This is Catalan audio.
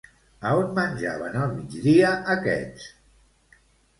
A on menjaven al migdia aquests?